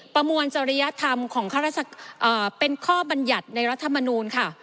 ประมวลจริยธรรมของเป็นข้อบรรยัติในรัฐมนูลค่ะ